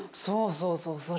そうそうそう。